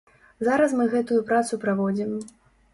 Зараз мы гэтую працу праводзім.